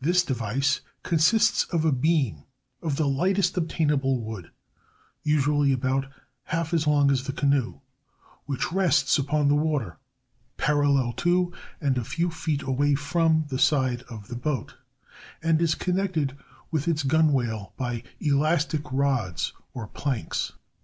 This device consists of a beam of the lightest obtainable wood, usually about half as long as the canoe, which rests upon the water parallel to and a few feet away from the side of the boat, and is connected with its gunwale by elastic rods or planks.